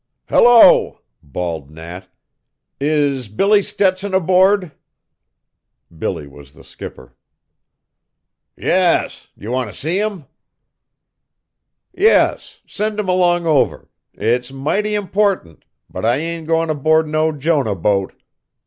"Hello!" bawled Nat. "Is Billy Stetson aboard?" Billy was the skipper. "Yas; d'ye want to see him?" "Yes, send him along over. It's mighty important, but I ain't goin' aboard no Jonah boat.